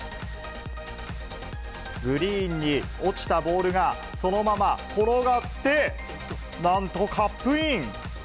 グリーンに落ちたボールが、そのまま転がって、なんと、カップイン。